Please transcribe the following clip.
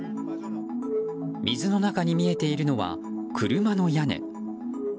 水の中に見えているのは車の屋根。